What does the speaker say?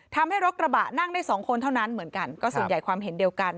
ทำให้รถกระบะนั่งได้สองคนเท่านั้นเหมือนกันก็ส่วนใหญ่ความเห็นเดียวกัน